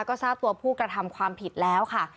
ก็ทราบตัวผู้กระทำความผิดแล้วค่ะ